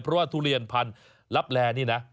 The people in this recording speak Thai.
เพราะว่าทุเรียนพันธุ์ลับแลนี่นะ